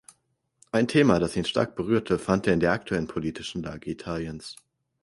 Ein Thema, das ihn stark berührte, fand er in der aktuellen politischen Lage Italiens.